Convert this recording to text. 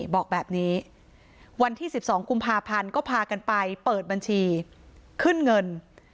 บอกแบบนี้วันที่๑๒กุมภาพันธ์ก็พากันไปเปิดบัญชีขึ้นเงิน